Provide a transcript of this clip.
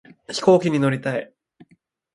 飛行機に乗りたい